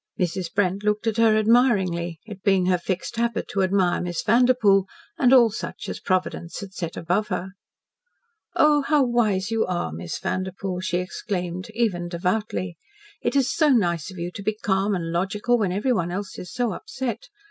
Mrs. Brent looked at her admiringly, it being her fixed habit to admire Miss Vanderpoel, and all such as Providence had set above her. "Oh, how wise you are, Miss Vanderpoel!" she exclaimed, even devoutly. "It is so nice of you to be calm and logical when everybody else is so upset.